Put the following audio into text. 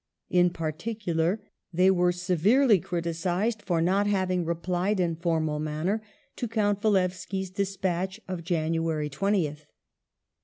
In particular, they were severely criticized for not having replied, in formal manner, to Count Walewski's despatch of January 20th.